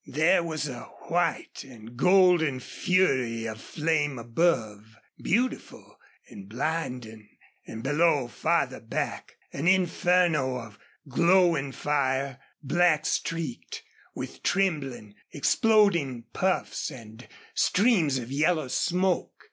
There was a white and golden fury of flame above, beautiful and blinding; and below, farther back, an inferno of glowing fire, black streaked, with trembling, exploding puffs and streams of yellow smoke.